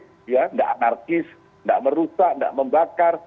tidak anarkis tidak merusak tidak membakar